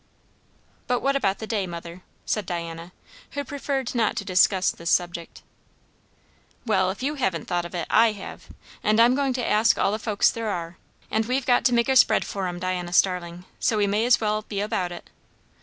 "But what about the day, mother?" said Diana, who preferred not to discuss this subject. "Well, if you haven't thought of it, I have; and I'm going to ask all the folks there are; and we've got to make a spread for 'em, Diana Starling, so we may as well be about it."